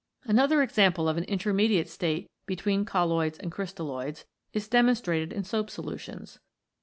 Another example of an intermediate state between colloids and crystalloids is demonstrated in soap solutions.